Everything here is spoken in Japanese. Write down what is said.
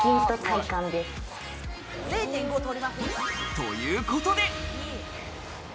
ということで。